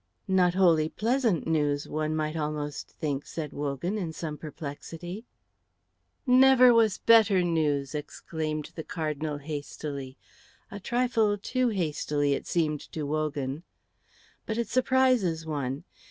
"Not wholly pleasant news, one might almost think," said Wogan, in some perplexity. "Never was better news," exclaimed the Cardinal, hastily, a trifle too hastily, it seemed to Wogan. "But it surprises one.